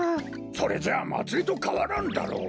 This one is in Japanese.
それじゃあまつりとかわらんだろう。